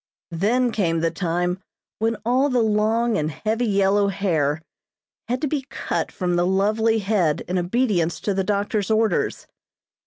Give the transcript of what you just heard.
Then came the time when all the long and heavy yellow hair had to be cut from the lovely head in obedience to the doctor's orders.